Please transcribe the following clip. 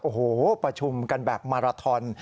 โอ้โหประชุมกันแบบมาราทอน